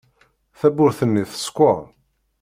Tawwurt-nni teskeṛ.